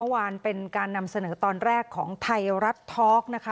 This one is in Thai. เมื่อวานเป็นการนำเสนอตอนแรกของไทยรัดทอล์ก